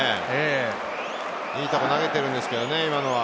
いい球投げてるんですけどね、今のは。